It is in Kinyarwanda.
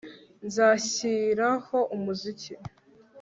nzashyiraho umuziki